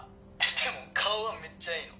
でも顔はめっちゃいいの。